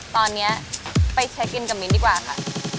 ตอนนี้ไปเช็คอินกับมิ้นดีกว่าค่ะ